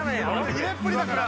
入れっぷりだから